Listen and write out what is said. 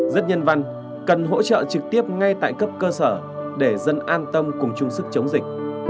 rất nhân văn cần hỗ trợ trực tiếp ngay tại cấp cơ sở để dân an tâm cùng chung sức chống dịch